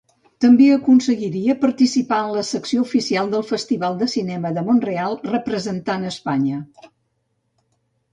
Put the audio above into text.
També aconseguiria participar en la secció oficial del Festival de cinema de Mont-real representant Espanya.